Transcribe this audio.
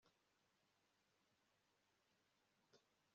Mukandoli avuga ko yiteguye kubikora ku buntu